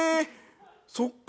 そっか。